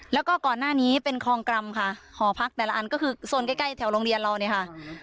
แล้วก็ก่อนหน้านี้เป็นคลองกรรมค่ะหอพักแต่ละอันก็คือโซนใกล้ใกล้แถวโรงเรียนเราเนี่ยค่ะ